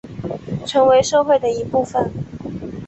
成为社会的一部分